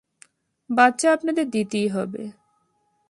বাচ্চা আপনাদের দিতেই হবে।